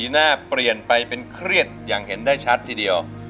หน้าเปลี่ยนไปเป็นเครียดอย่างเห็นได้ชัดทีเดียว